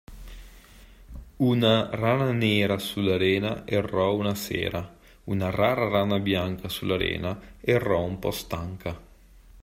Una rana nera sulla rena errò una sera, una rara rana bianca sulla rena errò un pò stanca.